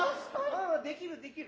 うんできるできる。